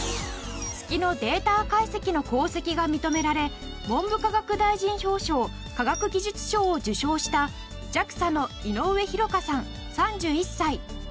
月のデータ解析の功績が認められ文部科学大臣表彰科学技術賞を受賞したＪＡＸＡの井上博夏さん３１歳。